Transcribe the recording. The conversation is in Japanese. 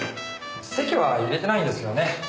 籍は入れてないんですけどね。